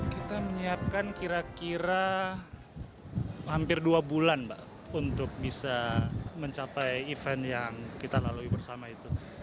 kita menyiapkan kira kira hampir dua bulan mbak untuk bisa mencapai event yang kita lalui bersama itu